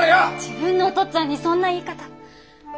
自分のお父っつぁんにそんな言い方。